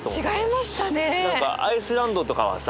何かアイスランドとかはさ